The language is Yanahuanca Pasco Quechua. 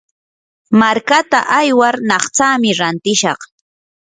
markaata aywar naqtsami rantishaq.